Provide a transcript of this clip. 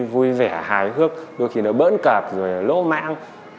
vui vẻ hài hước đôi khi nó bỡn cạp rồi lỗ mãng